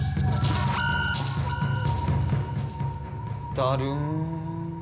だるん。